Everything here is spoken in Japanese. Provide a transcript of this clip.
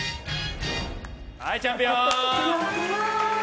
はい、チャンピオン。